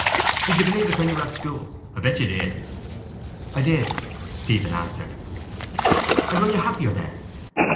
Did you believe in it when you were at school? I bet you did. —I did, Stephen answered. —And were you happier then?